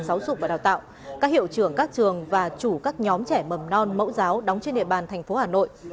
giáo dục và đào tạo các hiệu trưởng các trường và chủ các nhóm trẻ mầm non mẫu giáo đóng trên địa bàn thành phố hà nội